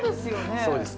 ◆そうです。